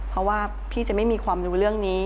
เพราะว่าพี่จะไม่มีความรู้เรื่องนี้